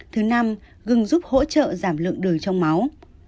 thứ năm gừng giúp hỗ trợ giảm lượng đời trong máu